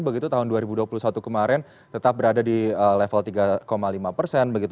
begitu tahun dua ribu dua puluh satu kemarin tetap berada di level tiga lima persen